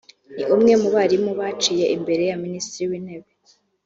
ni umwe mu barimu baciye imbere ya Minisitiri w’Intebe